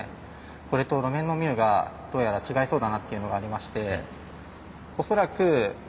これと路面のミューがどうやら違いそうだなっていうのがありまして恐らく滑る。